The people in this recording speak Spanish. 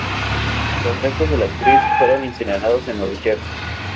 Los restos de la actriz fueron incinerados en Nueva Jersey.